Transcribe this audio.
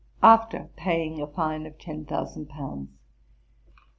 '[After] paying a fine of ten thousand pounds.